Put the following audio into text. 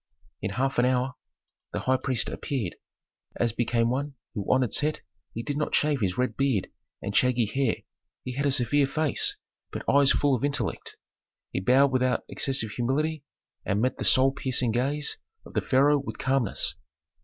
In half an hour the high priest appeared. As became one who honored Set he did not shave his red beard and shaggy hair; he had a severe face, but eyes full of intellect. He bowed without excessive humility and met the soul piercing gaze of the pharaoh with calmness.